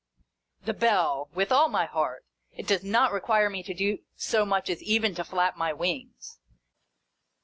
The bell ! With all my heart. It does not require me to do so much as even to flap my wings.